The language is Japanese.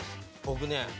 僕ね。